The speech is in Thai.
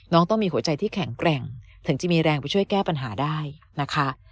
ต้องมีหัวใจที่แข็งแกร่งถึงจะมีแรงไปช่วยแก้ปัญหาได้นะคะ